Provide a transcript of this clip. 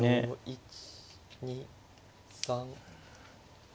１２３。